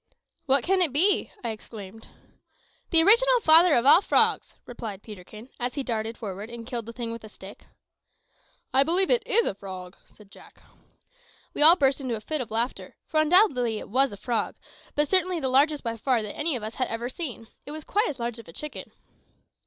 "What can it be?" I exclaimed. "The original father of all frogs!" replied Peterkin, as he darted forward and killed the thing with a stick. "I believe it is a frog," said Jack. We all burst into a fit of laughter, for undoubtedly it was a frog, but certainly the largest by far that any of us had ever seen. It was quite as large as a chicken!